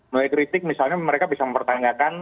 melalui kritik misalnya mereka bisa mempertanyakan